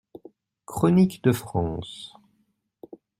=Chroniques de France.